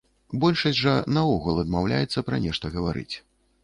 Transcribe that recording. Большасць жа наогул адмаўляецца пра нешта гаварыць.